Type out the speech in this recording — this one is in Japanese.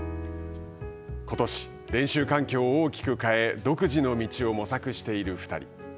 ことし、練習環境を大きく変え独自の道を模索している２人。